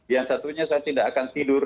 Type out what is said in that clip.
yang satunya saya tidak akan tidur